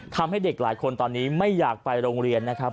ทำให้เด็กหลายคนตอนนี้ไม่อยากไปโรงเรียนนะครับ